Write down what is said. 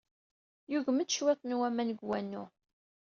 Yugem-d cwiṭ n waman seg wanu.